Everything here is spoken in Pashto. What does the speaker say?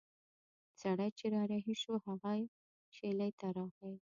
سړی چې را رهي شو هغې شېلې ته راغی.